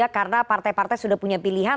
karena partai partai sudah punya pilihan